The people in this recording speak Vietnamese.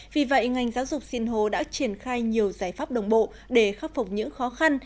vì vậy ngành giáo dục sinh hồ đã triển khai nhiều giải pháp đồng bộ để khắc phục những khó khăn